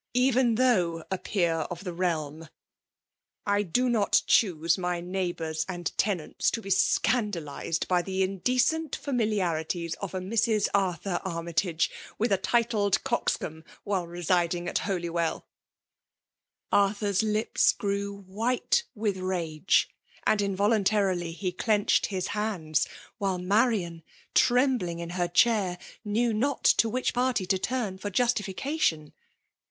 Even though a peer of the reahn> I do Bot choose my neighbouxs and tenants to bp scandalized by the indecent fiuniliarities of a Mrs. Arthur Armytage with a titled coxcomb, while residing at Holy welL'' Arthur's Ups grew white with rage, and involuntarily he clenched his hands; while Marian, trembling in her chair^ knew not to which party to turn for justification.